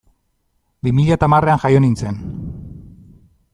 Bi mila eta hamarrean jaio nintzen.